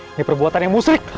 ini perbuatan yang musrik